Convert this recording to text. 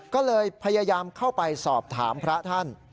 ก็เลยพยายามเข้าไปสอบถามพระท่าน